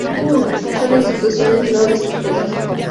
Son instrucciones no destructivas.